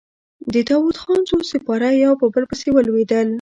د داوودخان څو سپاره يو په بل پسې ولوېدل.